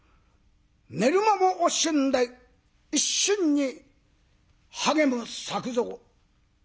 寝る間も惜しんで一心に励む作蔵。